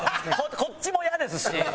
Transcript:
こっちもイヤですし。